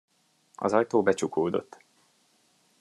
Az ajtó becsukódott.